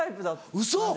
ウソ！